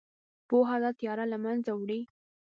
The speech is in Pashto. پوهه دا تیاره له منځه وړي.